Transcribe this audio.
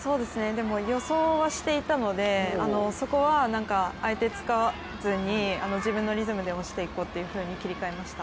予想はしていたのでそこはあえてつかずに自分のリズムで押していこうというふうに切り替えました。